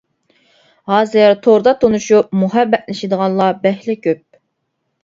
ھازىر توردا تونۇشۇپ مۇھەببەتلىشىدىغانلار بەكلا كۆپ.